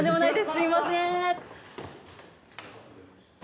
すいません